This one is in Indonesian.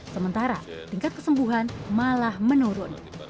sementara tingkat kesembuhan malah menurun